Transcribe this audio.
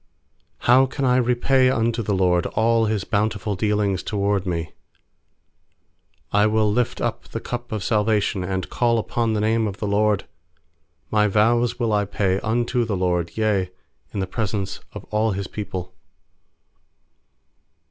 12How can I repay unto the LORD All His bountiful dealings toward me? 860 PSALMS 118 20 13I will lift up the cup of salvation, And call upon the name of the LORD. 14My vows will I pay unto the LORD, Yea, in the presence of all His people.